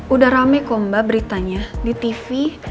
udah rame kok mbak beritanya di tv